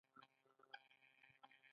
کاناډا د ټاکنو اداره لري.